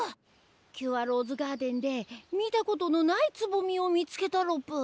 キュアローズガーデンで見たことのないつぼみを見つけたロプ。